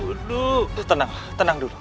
tandanglah tandang dulu